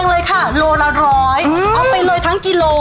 ไม่๒๔ค่ะลโหลละ๑๐๐ออกไปเลยทั้งกิโล